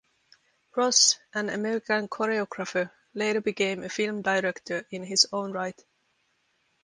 Ross, an American choreographer later became a film director in his own right.